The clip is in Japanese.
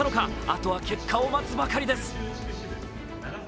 あとは結果を待つばかりです。